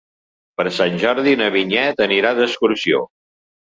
Per Sant Jordi na Vinyet anirà d'excursió.